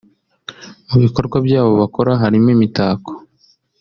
Mu bikorwa byabo bakora harimo imitako